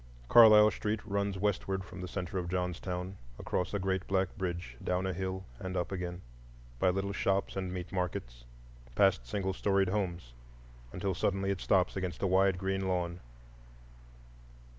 Carlisle Street runs westward from the centre of Johnstown, across a great black bridge, down a hill and up again, by little shops and meat markets, past single storied homes, until suddenly it stops against a wide green lawn.